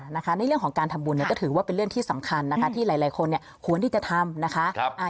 ในเรื่องของการทำบุญก็ถือว่าเป็นเรื่องที่สำคัญนะคะที่หลายคนควรที่จะทำนะคะ